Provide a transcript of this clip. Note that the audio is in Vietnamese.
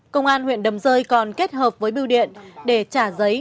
công an huyện đầm rơi còn kết hợp với biêu điện để trả giấy